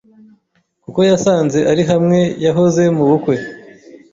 kuko yasanze ari hamwe yahoze mu bukwe